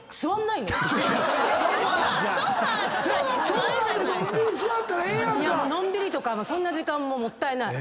いやのんびりとかそんな時間ももったいない。